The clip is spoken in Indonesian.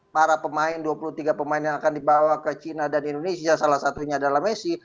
para pemain dua puluh tiga pemain yang akan dibawa ke china dan indonesia salah satunya adalah messi